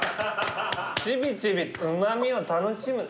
ちびちびうま味を楽しむ。